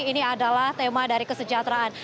ini adalah tema dari kesejahteraan